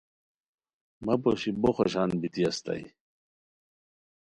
مہ پوشی بو خو شان بیتی استائے